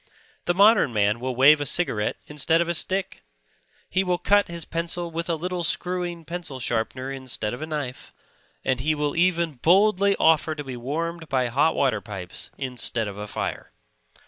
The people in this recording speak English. The modern man will wave a cigarette instead of a stick; he will cut his pencil with a little screwing pencil sharpener instead of a knife; and he will even boldly offer to be warmed by hot water pipes instead of a fire.